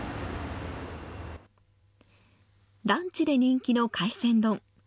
ランチで人気の海鮮丼。